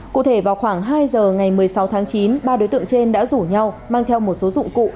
cụ thể vào khoảng hai giờ ngày một mươi sáu tháng chín ba đối tượng trên đã rủ nhau mang theo một số dụng cụ